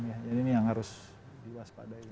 jadi ini yang harus diwaspadai